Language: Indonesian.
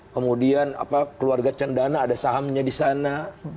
kemudian keluarga cendana ada sahamnya di sana